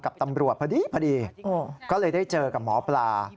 กับตำรวจพอดีพอดีก็เลยได้เจอกับหมอปลา